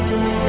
jangan bawa dia